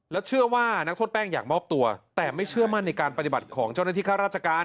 เชื่อว่านักโทษแป้งอยากมอบตัวแต่ไม่เชื่อมั่นในการปฏิบัติของเจ้าหน้าที่ข้าราชการ